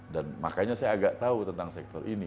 dan makanya saya agak tahu tentang sektor ini